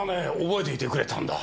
覚えていてくれたんだ。